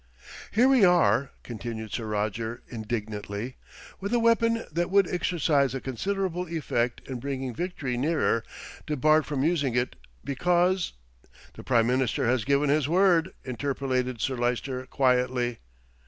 "Here we are," continued Sir Roger indignantly, "with a weapon that would exercise a considerable effect in bringing victory nearer, debarred from using it because "The Prime Minister has given his word," interpolated Sir Lyster quietly.